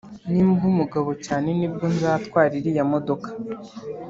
nimba umugabo cyane nibwo nzatwara iriya modoka